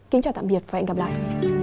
kính chào tạm biệt và hẹn gặp lại